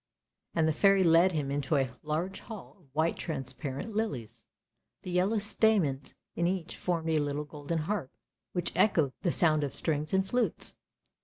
" And the Fairy led him into a large hall of white transparent lilies, the yellow stamens in each formed a little golden harp which echoed the sound of strings and flutes.